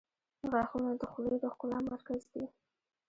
• غاښونه د خولې د ښکلا مرکز دي.